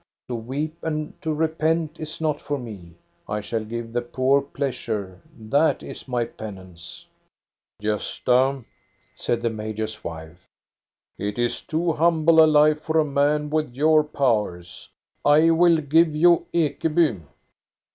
To weep and to repent is not for me. I shall give the poor pleasure, that is my penance." Gosta," said the major's wife, " it is too humble a life for a man with your powers. I will give you Ekeby."